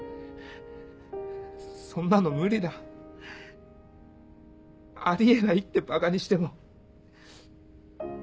「そんなの無理だあり得ない」ってばかにしても。